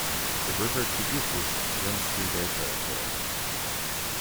The river Tiguisas runs through their territory.